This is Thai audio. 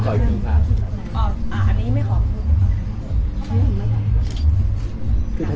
คุณแม่งคุณแม่ง